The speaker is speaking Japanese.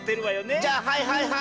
じゃあはいはいはい！